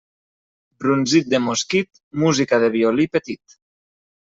Brunzit de mosquit, música de violí petit.